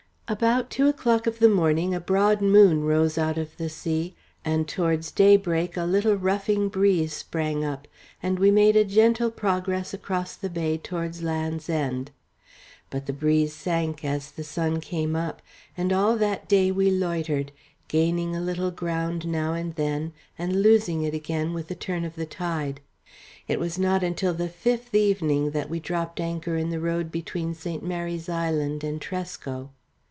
About two o'clock of the morning a broad moon rose out of the sea, and towards daybreak a little ruffing breeze sprang up, and we made a gentle progress across the bay towards Land's End; but the breeze sank as the sun came up, and all that day we loitered, gaining a little ground now and then and losing it again with the turn of the tide. It was not until the fifth evening that we dropped anchor in the road between St. Mary's Island and Tresco.